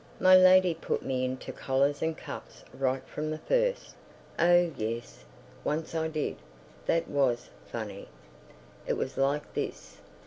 My lady put me into collars and cuffs from the first. Oh yes—once I did! That was—funny! It was like this.